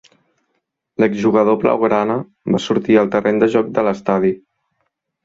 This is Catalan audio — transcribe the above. L'exjugador blaugrana va sortir al terreny de joc de l'Estadi.